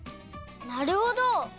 なるほど！